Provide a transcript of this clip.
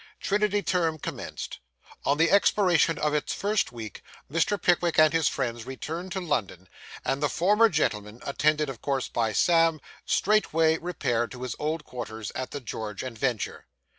Trinity term commenced. On the expiration of its first week, Mr. Pickwick and his friends returned to London; and the former gentleman, attended of course by Sam, straightway repaired to his old quarters at the George and Vulture.